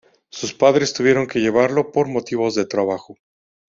Sus padres tuvieron que llevarlo por motivos de trabajo.